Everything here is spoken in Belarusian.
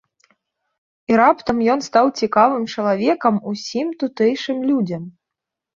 І раптам ён стаў цікавым чалавекам усім тутэйшым людзям.